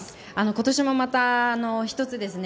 今年もまた１つですね。